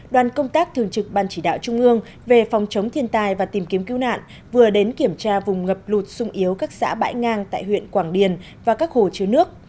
đoàn công tác thường trực ban chỉ đạo trung ương về phòng chống thiên tai và tìm kiếm cứu nạn vừa đến kiểm tra vùng ngập lụt sung yếu các xã bãi ngang tại huyện quảng điền và các hồ chứa nước